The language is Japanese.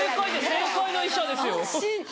正解な医者ですよ。